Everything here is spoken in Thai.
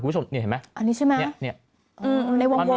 อันนี้ใช่มั้ย